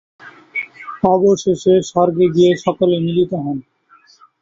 অবশেষে স্বর্গে গিয়ে সকলে মিলিত হন।